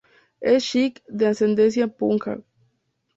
Es sikh de ascendencia punjab.